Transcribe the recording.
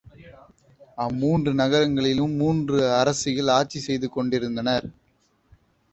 அம்மூன்று நகரங்களிலும் மூன்று அரசிகள் ஆட்சி செய்து கொண்டிருந்தனர்.